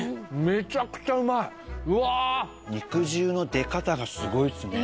めちゃくちゃうまいうわ肉汁の出方がすごいっすね